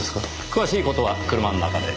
詳しい事は車の中で。